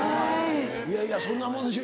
いやいやそんなもんでしょ。